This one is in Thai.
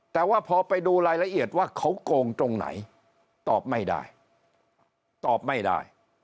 แต่ว่าพอไปดูรายละเอียดว่าเขาโกงตรงไหนตอบไม่ได้ตอบไม่ได้